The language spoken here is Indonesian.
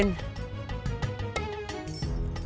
yang masih ada di bisnis ini